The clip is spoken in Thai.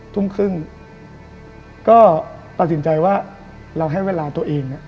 ทุ่มครึ่งก็ตัดสินใจว่าเราให้เวลาตัวเอง